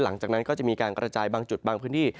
หลังจากนั้นก็จะมีการกระจายบางจุดบางพื้นที่